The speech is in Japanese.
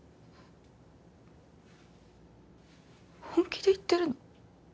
本気で言ってるの？